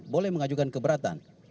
boleh mengajukan keberatan